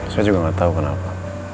saya juga gak tau kenapa